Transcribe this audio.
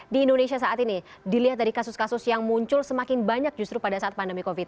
di indonesia saat ini dilihat dari kasus kasus yang muncul semakin banyak justru pada saat pandemi covid sembilan